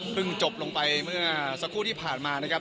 จบลงไปเมื่อสักครู่ที่ผ่านมานะครับ